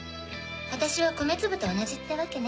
私は米粒と同じってわけね。